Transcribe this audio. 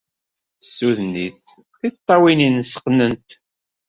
Tessuden-it, tiṭṭawin-nnes qqnent.